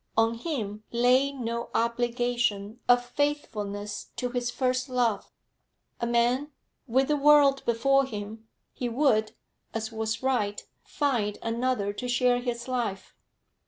On him lay no obligation of faithfulness to his first love; a man, with the world before him, he would, as was right, find another to share his life.